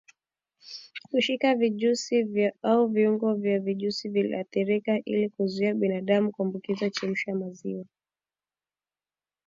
kushika vijusi au viungo vya vijusi viliyoathirika Ili kuzuia binadamu kuambukizwa chemsha maziwa